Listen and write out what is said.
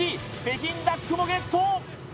北京ダックもゲット！